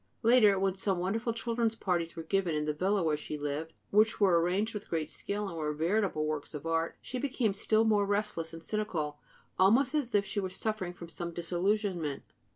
Later, when some wonderful children's parties were given in the villa where she lived, which were arranged with great skill and were veritable works of art, she became still more restless and cynical, almost as if she were suffering from some disillusionment.